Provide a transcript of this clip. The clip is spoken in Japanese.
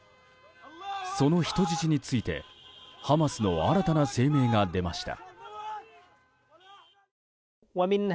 その人質についてハマスの新たな声明が出ました。